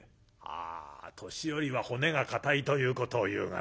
「あ年寄りは骨が硬いということをいうがな